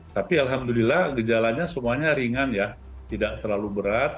tapi alhamdulillah gejalannya semuanya ringan tidak terlalu berat